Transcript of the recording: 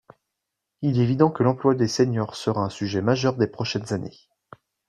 Il est évident que l’emploi des seniors sera un sujet majeur des prochaines années.